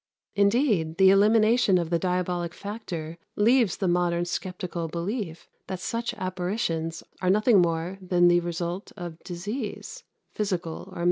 Indeed, the elimination of the diabolic factor leaves the modern sceptical belief that such apparitions are nothing more than the result of disease, physical or mental.